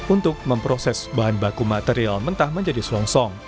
untuk memproses bahan baku material mentah menjadi selongsong